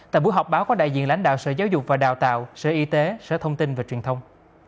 tại buổi họp báo có đại diện lãnh đạo sở giáo dục và đào tạo sở y tế sở thông tin và truyền thông